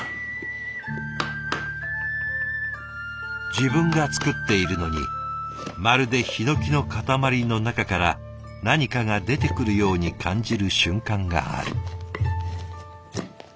自分が作っているのにまるでヒノキの塊の中から何かが出てくるように感じる瞬間がある。